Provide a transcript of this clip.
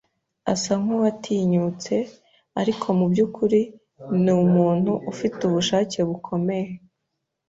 Asa nkuwatinyutse, ariko mubyukuri ni umuntu ufite ubushake bukomeye.